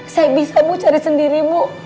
saya bisa bu cari sendiri bu